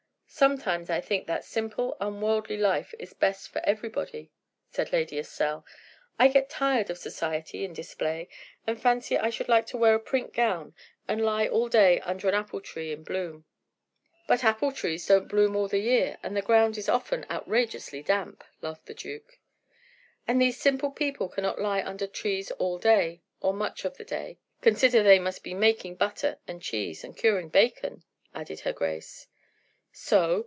"Sometimes I think that simple, unworldly life is best for everybody," said Lady Estelle. "I get tired of society and display, and fancy I should like to wear a print gown and lie all day under an apple tree in bloom." "But apple trees don't bloom all the year, and the ground is often outrageously damp," laughed the duke. "And these simple people cannot lie under trees all day, or much of the day; consider they must be making butter and cheese, and curing bacon," added her grace. "So?"